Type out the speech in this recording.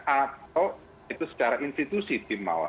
atau itu secara institusi tim mawar